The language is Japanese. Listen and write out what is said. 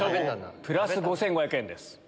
プラス５５００円です。